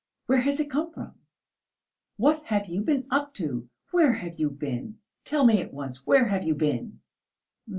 where has it come from?... What have you been up to?... Where have you been? Tell me at once where have you been?"